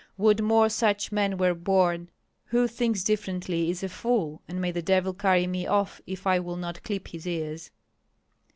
Would more such men were born! Who thinks differently is a fool, and may the devil carry me off if I will not clip his ears."